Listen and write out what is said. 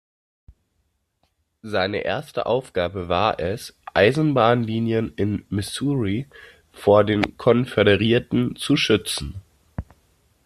Seine erste Aufgabe war es, Eisenbahnlinien in Missouri vor den Konföderierten zu schützen.